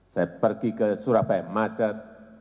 saya pergi ke surabaya macet